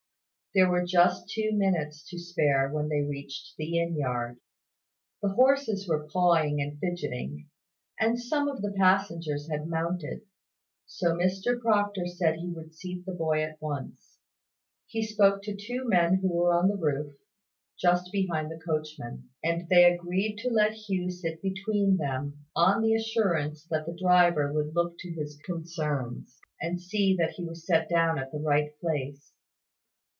There were just two minutes to spare when they reached the inn yard. The horses were pawing and fidgeting, and some of the passengers had mounted: so Mr Proctor said he would seat the boy at once. He spoke to two men who were on the roof, just behind the coachman; and they agreed to let Hugh sit between them, on the assurance that the driver would look to his concerns, and see that he was set down at the right place.